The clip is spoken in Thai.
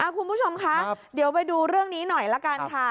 คุณผู้ชมคะเดี๋ยวไปดูเรื่องนี้หน่อยละกันค่ะ